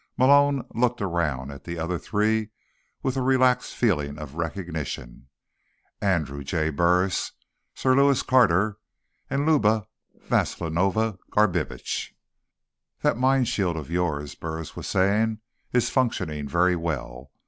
Malone looked around at the other three with a relaxed feeling of recognition: Andrew J. Burris, Sir Lewis Carter, and Luba Vasilovna Garbitsch. "That mind shield of yours," Burris was saying, "is functioning very well.